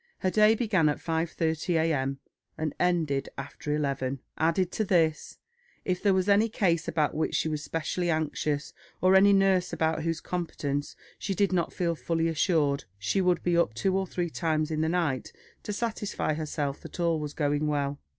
Her day began at 5.30 A.M. and ended after 11; added to this, if there was any case about which she was specially anxious, or any nurse about whose competence she did not feel fully assured, she would be up two or three times in the night to satisfy herself that all was going well.